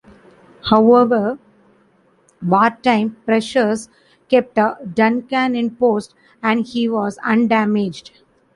However, wartime pressures kept Duncan in post and he was undamaged.